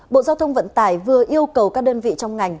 bộ giao thông vận tải vừa yêu cầu các đơn vị trong ngành